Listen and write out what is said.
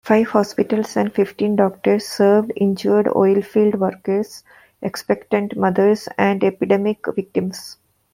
Five hospitals and fifteen doctors served injured oilfield workers, expectant mothers, and epidemic victims.